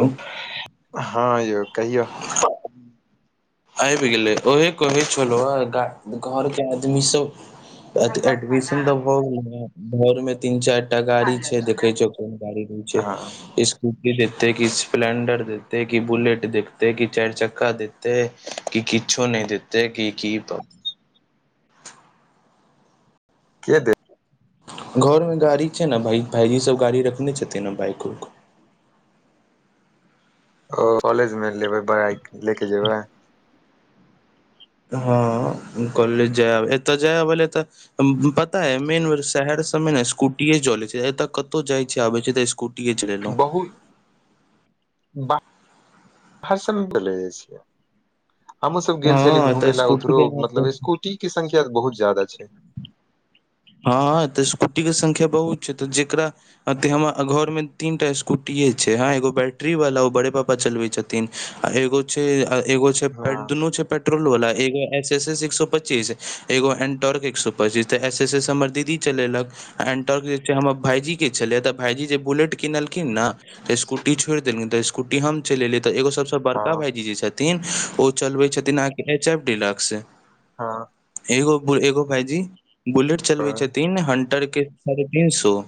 hello हँ यौ कहियौ आबि गेलै अहे कहै छलौं हें घरके आदमी सब तऽ अथी खेलक खाना एडमिशन तऽ भऽ गेल है घर मे तीन चारि टा खा गाड़ी छै लेलऽ ने देखै छियै कोन गाड़ी दै छै ई हँ सब स्कूटी देतै की स्पलेंडर देतै की बुलेट देखतै की चारि चक्का देतै कि किछो नहि देतै कि कि तऽ के दे घर मे गाड़ी छै ने भाईजी सब गाड़ी रखने छथिन ने बाइक उइक ओ कॉलेज मे लेबै बड़ा ले के जेबै हँ हम कहले जायब एतऽ जाय अबै लए तऽ पता है मेन बे शहर सबमे ने स्कूटीए चलैत छै ए तऽ कतहु जाइ छै आबे छै तऽ कुटिए च बहुतरषले जा छिय हमहहुँ सब गेल छली हँ तऽ घूमेय लए स्कूटी उधरो के मतलब स्कूटी के संख्या बहुत ज्यदा छै हँ तऽ स्कूटी के संख्या बहुत छै तऽ जेकरा अ ते हमरा घर मे तीन टा स्कूटीए छै हं एगो बैटरी वाला ओ बड़े पापा चलबे छथि थिन एगो छै एगो छै प हँ दुनू छै पेट्रोल वला एगो एस एस एस एक सए पच्चीस एगो एन्टर्क एक सए पच्चीसऽ एस एस से हमर दीदी चलेलक एन्टर जे छै हमर भाईजी के छलियै तऽ भाईजी जे बुलेट किनलखिन ने तऽ स्कूटी छोड़ देलखिन त स्कूटी हम चलि एले तऽ एगो सबसँ बड़का हँ भाईजी जे छथि न ओ चलबै छथिन अहाँके एच एफ डिलक्स हँ एगो एगो भाइजी बुलेट चलबै छथिन हंटर के साढ़े तीन सो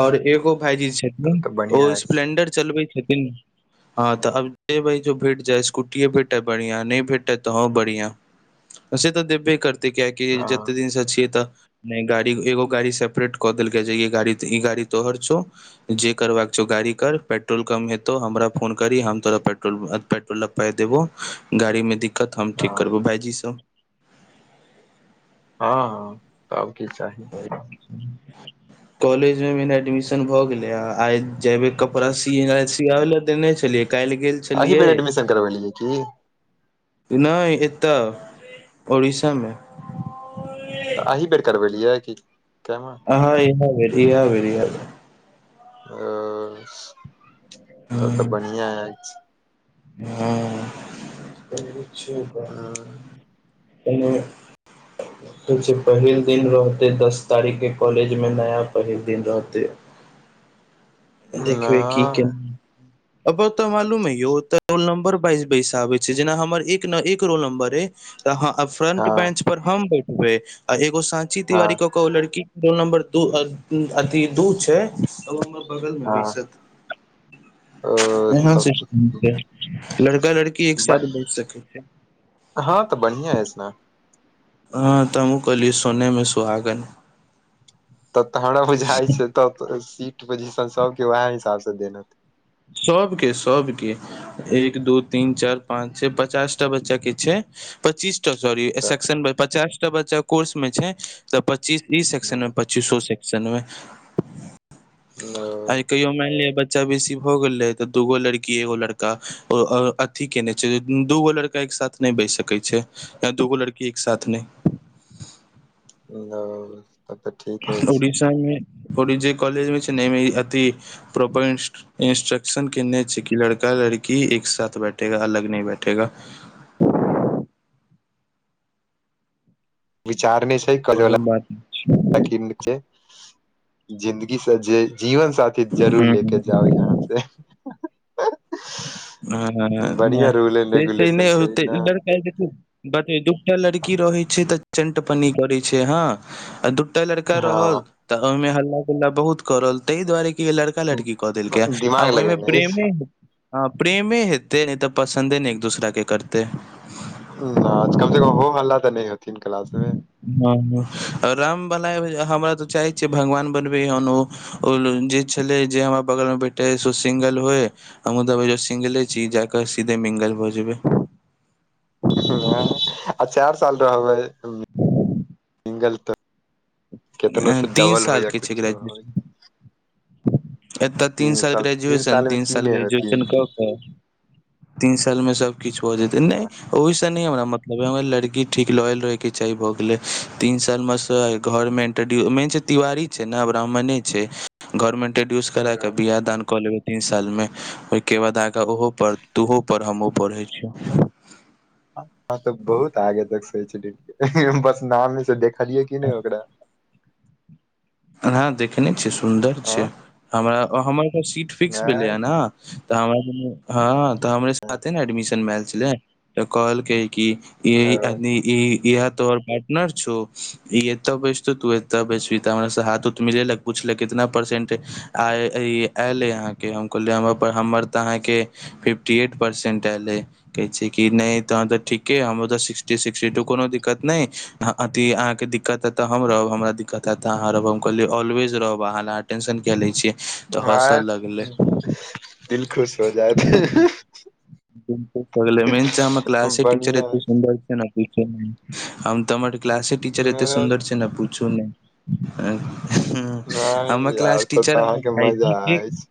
ओर एगो भाईजी तब छथिन तऽ ओ बढ़िया अछि स्प्लेंडर चलबै छथिन हँ तऽ आब जेबै ज भेट जाय स्कूटीे भेटै बढ़िआं नहि भेटै तऽ हं बढ़िआं सेे तऽ देबे करत तै कियक हँ जते दिन से छिये तऽ गाड़ी एगो गाड़ी सेपरेट कऽ देलक जे गाड़ी ई गाड़ी तोहर छो जे करबाक छौ गाड़ी कर पेट्रोल कम हेतौ हमरा फोन करी हम तोरा पेट्रोल पेट्रोल पाइ देबो गाड़ी मे दिक्कत हम ठीक हँ करबौ भाइजी सब हँ हँ तब कि चाही [inaudible] कॉलेजमे म एडमिशन भऽ गेलै आइ जेबै कपड़ा सिना सीयाबै लए देने छलियै काल्हि गेल अ ही छलियै बेर एडमिशन करबेलहीं की नहि एतऽ उड़ीसामे तऽ अही बेर करबेलियै क केमे ह इएह बेर इएह बेर इएह ओ तऽ तऽ हँ बढ़िआँ अछि हँ छै पहिल दिन रहते दस तारीख के कॉलेज मे नया पहिल दिन रहते ह देखबे की न केना अब तऽ मालूम है यौ रोल नम्बर बाइस बाजि बैसाबे छै जेना हमर एक न एक रौल नम्बर अय तऽ फ्रंट हँ बेंच पर हम बैठबै आ एगो सााँची तिवारी हँ को लड़की रोल नम्बर द अथ दू छै बगलमे हँ बैसत ओ एना तब सिस्टम छै लड़का लड़की एक साथ बैस सै छै हँ तऽ बढ़िआ अछि ने हँ त हमू कहलियै सोनेमे सुहागा तऽ तोरो जाइ छै त सीट पोजिशन सबके उएह हिसाबसँ देन सबके सबके एक दू तीन चार पाँच छै पचासटा बच्चा के छै पच्चीस अच्छा साॅरी ए तऽ सेक्शनमे पचासटा बच्चा कोर्स मे छै त पच्चीस तीस एक संग हाँ, पच्चीस सए सेकसनमे आर ल- कहियो मानि लिय ब बच्चा बेसी भ गेलै तऽ दूगो लड़की एगो लड़का अथी केने छै दूगो लड़का एक साथ नहि बहि सकै छै यह दूगो लड़की एक साथ नहि ओ सब तऽ ठीके छै उड़ीसा जे कॉलेज मे छै नेमे अ प्रपंट इंस्ट्रक्शन केने छै कि लड़का लड़की एक साथ बैठेगा अलग नहि बैठेगा विचारने छै ओहे करैवला बात जिन्दगी स जे जीवन साथी जरूर लेके हूं जाउ यहाँ से ह नहि बढ़िया रूल एंड से स रेगुलेशन छै नहिते ने देख ब दूटा लड़की रहै छै तऽ चंट पन्नी करै छै हँ आ दु लड़का रहल हँ तऽ ओहिमे हल्ला गुल्ला बहुत करल ताहि दुआरे लड़का लड़की कऽ देलकै ह दिमाग आ ओहिमे लगेने अछि प्रेमे हँ प्रेमे हेतै नहि तऽ पसन्दे नहि एक दूसरा के करतै ना कम से कम हो हल्ला तऽ नहि हेथिन क्लाास मे हँ ह राम बला हमरा तऽ चाहै छियै भगवान बनबै हन ओ ओ जे छले जे हमरा बगलमे बैठे से सिंगल होइ आ देबै जो सिंगेले छी जाक सीधे मिंगल भऽ जेबै आ चारि साल रहबै मिंगल तऽ अ, केतनोसँ तीन डबल हो साल या के छै कुछो होय एतऽ तीन साल ग्रेजुएशन मे तीन की साल नहि ग्रेजुएशन होथिन कऽ तीन सालमे सबकिछु हो जेतै ने हँ ओहिसँ नहि हमरा मतलब ह हमरा लड़की ठीक लोयल रहैके चाही भऽ गेलै तीन सालमे सँ घरमे मेन तिवारी छै ब्राह्मणे छै घर मे एटंरडयुज करा विबाह दान कऽ लेबै तीन सालमे ओहिके बाद आग ओहो पढ़ तोहो पढ़ हमहुँ पढ़ै छी हँ तऽ बहुत आगे तक सोचलै छियै बस नामे से देखलियै की नहि ओकरा ह देखने छियै सुन्दर छै आँ हमरा हमर सीट फिक्स भेलै नहि ह न तऽ हमरा हँ तऽ हमरे साथे ने एडमिशन भेल छलै त कहलकै की येअ ई इहा तोहर पार्टनर छौ इ एतऽ बैसतौ तू एत बैसबी त हमरा हाथ उथ मिलेलक पुछलक केतना परसेन्ट आ ई आएल तँ अहाँ के हन कहलियै हमर हमर तऽ अहाँके फिफ्टी ऐट परसेंट एयलै कहै छै कि नहि तह तऽ ठीके हमर तऽ सिक्सटी सिक्सटी टू कोनो दिक्कत नहि ह अी अहाँके दिक्कत हेतऽ हम रहब हमरा दिक्कत हेत त अहाँ रहब रहब हम कहल ऑलवेज रहब अहाँ ल टेंशन किया लै छियै तऽ हँसऽ ह लगलै दिल खुश हो जात मेन छै हमर क्लासे टीचर बढ़िया एते सुन्दर छै ने हमर क्लासे टीचर एते नहि सुन्दर छै ने पूछू नहि ह हमर यार क्लास तब तऽ टीचर हमर अहाँके मजा भइजी के अछि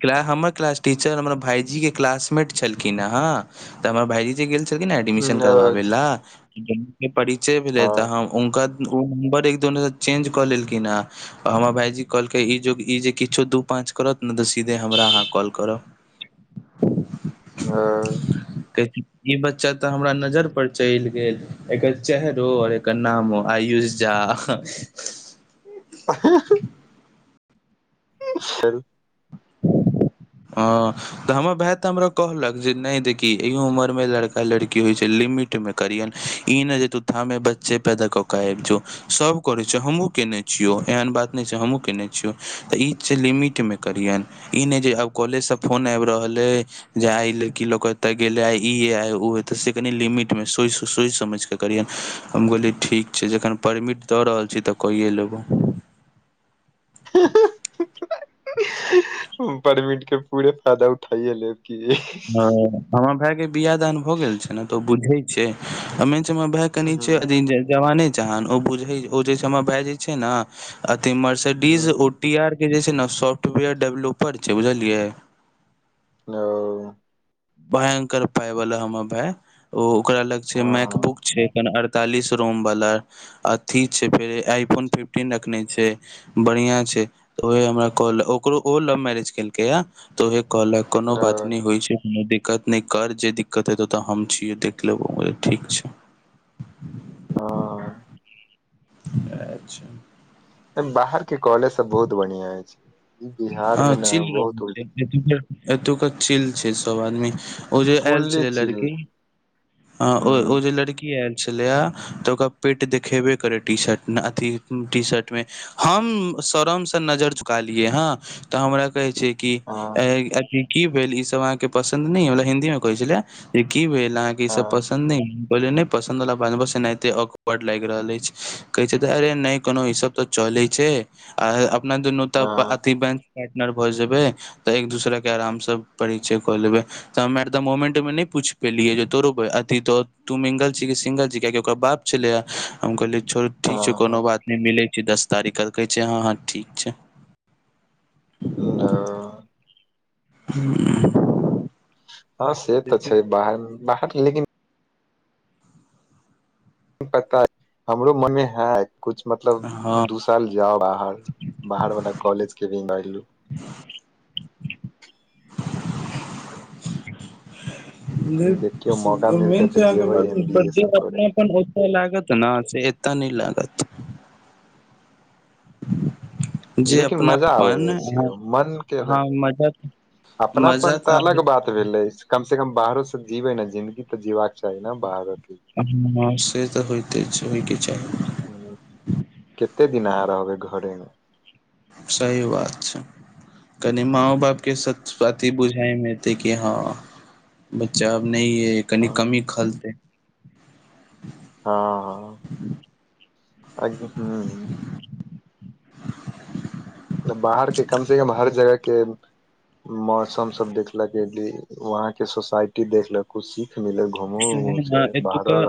क्ला हमर क्लास टीचर हमर भाईजी के क्लासमेट छलखिन हँ तऽ हमर भाईजी जे गेल छलखिन ने एडमिशन करबाबे ला परिचय भेलै तऽ हुनका ओ नम्बर एक दोनूसँ चेंज कऽ लेलखिन हेँ आ हमर भाइजी कहलकै ई जो ई जे किछो दू पाँच करत ने तऽ सीधे हमरा अहाँ कॉल करब [unintelligible] आ कह ई बच्चा तऽ हमरा नजर पर चलि गेल एकर चेहरो आर के नामो आयुष झा [unintelligible] सर [unintelligible] [unintelligible] ह तऽ हमर भाय तऽ हमरा कहलक जे नहि देखी इहो उमर में लड़का लड़की होइ छै लिमिट [unintelligible] ई न जे तू थामे बच्चे पैदा कऽ क आयब जो सभ करैत छै हमहूँ केने छियौ एहन बात नहि छै हमहूँ केने छियौ तऽ ई छै लिमिट मे करियन ई नहि जे आब कॉलेजसँ फोन आबि रहल अछ जे आइ लड़की ल क ओत्तअ गेले आ इ हे आइ उ ते से कनि लिमिट मे सोइच समझ के करियै हम कहोलियै ठीक छै जखन परमिट दऽ रहल छी तऽ कइए लेबौ ह [unintelligible] परमिट के पूरे फायदा उठाइए लेब कि ह हमर भाय के बियाह दान भऽ गेल छै ने तऽ बुझे छै मेन छै हमर भाय कनि हूँ छै जवाने जहान ओ बुझे ओ जे छै हमर भए जे छै न अ [unintelligible] तऽ डीज हूँ ओटी आर के जे छै ने सॉफ्टवेयर डेवलोपर छै बुझलियै ओ भयंकर पाय वाला हमर भाय ओ ओकरा लग छै हँ मैकबुक छै चालिस रोम वाला अथी छै फेर आई फोन फिफ्टीन रखने छै बढ़िया छै तऽ ओहे हमरा कहलक ओकरो ओ लव मैरेज केलकै या तऽ ओहे कहलक कोनो बात नहि होइ छै दिक्कत नहि कर जे दिक्कत हेतौ तऽ हम छीय देख लेबौ ठीक छै ह [unintelligible] [unintelligible] छै बाहर के कॉलेज सब बहुत बढ़िया छै ई बिहार हँ में ने चिल बहुत उलटा [inaudible] एतुका चिल छै सब आदमी ओ जे आयल फुल्ली छले चिल लड़की हूँ ह ओ ओ हँ जे लड़की आयल छले आ तऽ ओकरा पेट देखेबे करे टी शर्ट अथी टी शर्ट मे हम सरम से नजर झुकालियए हँ तऽ हमरा कहै छै कि हँ अ अथी की भेल ई सब अहाँ के पसन्द न यमतलब हिन्दी मे कहै छले जे की भेल अहाँके ई सब हँ पस नै पसन्द बला बात नै बस एनाहिते अकवर्ड लागि रहल अछि कहे छै अरे नहि कोनो ईस तऽ चल छै आ अपना दुनु त अथी [unintelligible] पाटनर भऽ जेबय तऽ एक दूसरा के आरामसँ परिचय कऽ लेबै तऽ तऽ मोमेंट मे नहि पूछि पेलियै जे तोरो अथी तो तू मिंगल छी कि सिंगल छी कियाकि ओकर बाप छलैय हम कहली छोर ठीक छै हँ कोनो हँ बात नहि मिलैत छै दस तारीख क कहै छै हँ हँ ठीक छै [inaudible] ह [inaudible] हँ से तऽ देखू छै बाहर म बाहर लेकिन पता हमरो मन मे है कुछ मतलब हँ दूस साल जाउ बाहर बाहर वाला कॉलेज के भी [unintelligible] [inaudible] देखियौ मौका अपन मिलतै तऽ जेबै एम बी ए सब करे ओत लागत नऽ से एता नहि लागत जे लेकिन मजा आबै अपनापन जा छ मन के अलग हँ मजा मजा अपनापन तऽ अलग आबैत बात भेलै कम से कम बाहरो से जीबे ने जिन्दगी तऽ जीबाक चाही ने बाहरो के ह से तऽ होयइते होइ के चाही ह कते दिन आंहा रहबै घर सही बात छै कनि माँ बाप के सच अति बुझाई में ऐतै कि हँ बच्चा अब नहि है कनि हँ कमी खलते हाँ [inaudible] बाहर के कम से कम हर जगह के मौसम सब देखलक एली वहां के सोसाायटी देखलक कु सीख मिलल [unintelligible] अहाँ के त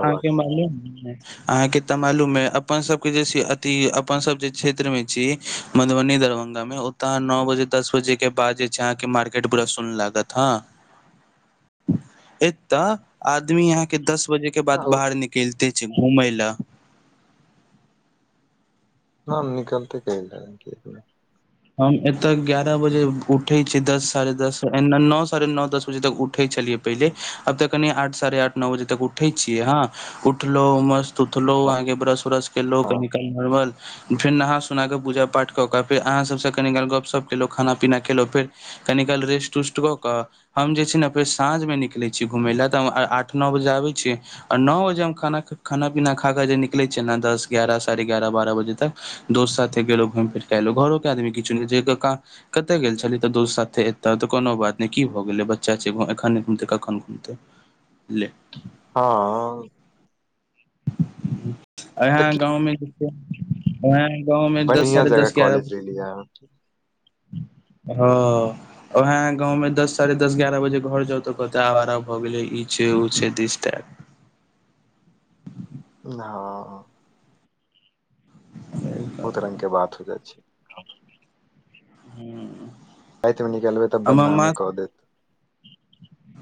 ऽ मालुम ऐ अपन सबके जे छै अथी अपन सब जे क्षेत्र में छी मधुबनी दरभंगा मे ओते अहां के नौ बजे दस बजे के बाद जे छै अहाँ के मार्केट पुरा सुन लागत ह एतऽ आदमी यहाँ के दस बजे के बाद आ बाहर निकलते छै घूमय ले हां निकलते कै लने हम एतय ग्यारह बजे उठै छियै दस साढ़े दस नौ साढ़े नौ दस बजे तक उठै छलियै पहिले अब तऽ कनि आठ साढ़े आठ नौ बजे तक उठे छियै हाँ उठलो मस्त उठलो आगे ब्रश उरस केलो निकल नर्मल फेर नहा सुना क पूजा पाठ कऽ क फेर अहाँ सभ सँ कनी काल गपशप केलहुँ खाना पीना खेलहुँ फेर कनि काल रेस्ट उस्ट कऽ कऽ हम जे छै ने फेर साँझमे निकलैत छी घुमय ल तऽ हम आठ नओ बजे आबै छियै आ नौ‌बजे हम खाना खाना पीना खा कऽ जे निकलैत छियै ने दस ग्यारह साढ़े बारह बजे तक दोस्त साथे गेलो घुमि फिर क एलो घरोे के आदमी किछु कतय गेल छलियै तऽ दोस्त साथे एयतहु तऽ कोनो बात नहि की भऽ गेलै बच्चा छै एखन घुमतै कखन घूमतै ले हाँ तऽ अहाँ गाँंव में यहाँ गाँंव में दस साढ़े दस गह ब हां हाँ एह गाँंवं दस साढ़े दस ग्यारह बजे घर जाउ तऽ कहते आवारा भऽ गेले ई छै ओ छै दिस देट हं बहुत रंग के बात हो जाइ छै हू रातिमे निकलबै तब बदनामे कऽ देत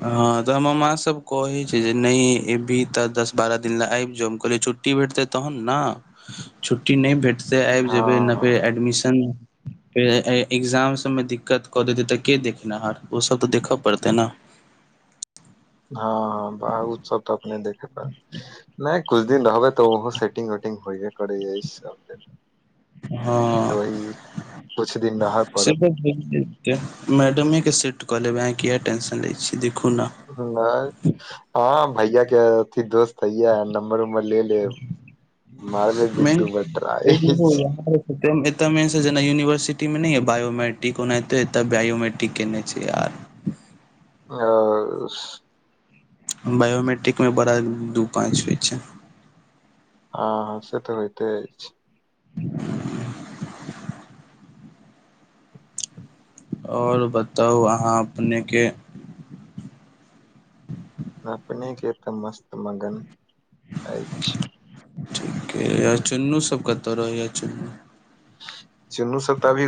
हाँ तऽ हमर माँ सब कहे छै जे नहि एबही तऽ दस बारह दिन ल आबि जो हम कहल छुट्टी छुट्टी भेटतै तहन ने छुट्टी नहि भेटतै आबि जेबै नबै फेर हँ एडमिशन एग्जाम सभ में दिक्कत कऽ देतै तऽ के देखेनाहार ओसभ तऽ देखय पड़तै नै हाँ हाँ बाह उ सब तऽ अपने देखे पड़तौ नहि किछु दिन रहबै तऽ ओहो सेटिंग वेटिंग होइये प जा सब जग हँ वही कुछ दिन रह से पड़त मैडमे के सेट कऽ लेबै अहाँ किए टेंशन लै छी देखू ने हाँ भैया के दोस्त तहिया नम्बर उम्बर ले लेब मारबे दू बेर ट्राय एत मेन छै जेना यूनिवर्सिटी मे नहि य बायोमेट्रिक ओनाहिते एतय बायोमेट्रिक केने छै यार ओ ओ ओ बायोमेट्रिक में बड़ा दू पाँच होइत छै हाँ हाँ से तऽ होयइते अछि [unintelligible] आओर बताउ अहाँ अपनेके अपने के तऽ मस्त मगन अछि ठीके य चुन्नु सब कतऽ रहै य चुन्नु चुन्नू सब त अभी